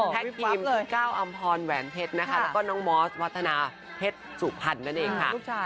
พักทีมที่เก้าอำพรแหวนเทศนะคะแล้วก็น้องมอสพัฒนาเทศสุภัณฑ์กันเองค่ะ